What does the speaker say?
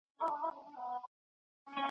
د پردیو په کمال ګوري جهان ته ,